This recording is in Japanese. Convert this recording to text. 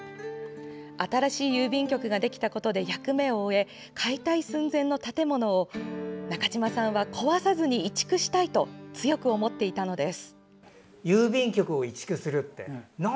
新しい郵便局ができたことで役目を終え、解体寸前の建物を中島さんは壊さずに移築したいと強く思っていたのです。